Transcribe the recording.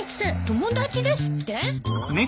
友達ですって？